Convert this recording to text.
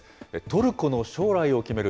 トルコの将来を決める